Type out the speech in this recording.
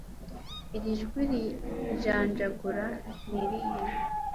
iri jwi rijanjagura ni irihe